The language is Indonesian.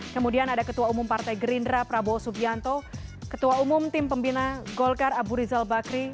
kemudian ada ketua umum partai gerindra prabowo subianto ketua umum tim pembina golkar abu rizal bakri